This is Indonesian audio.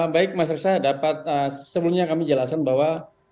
baik mas resa dapat sebelumnya kami jelasin bahwa